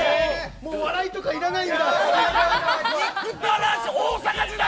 もう笑いとかいらないんだ。